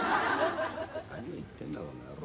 何を言ってんだこの野郎。